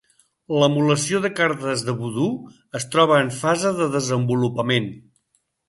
L'emulació de cartes de vudú es troba en fase de desenvolupament.